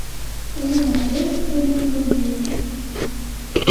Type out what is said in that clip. Ay Ameɣlal, ay Illu-iw!